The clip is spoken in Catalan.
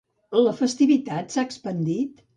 La festivitat s'ha expandit?